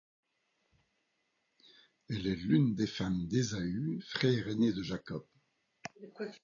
Elle est l'une des femmes d'Ésaü, frère aîné de Jacob.